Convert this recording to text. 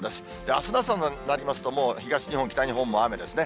あすの朝になりますと、もう東日本、北日本も雨ですね。